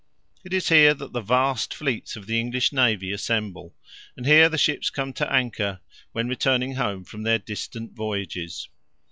It is here that the vast fleets of the English navy assemble, and here the ships come to anchor, when returning home from their distant voyages.